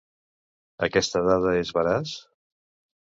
Aquesta dada és veraç?